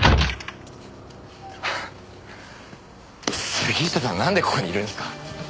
杉下さんなんでここにいるんですか？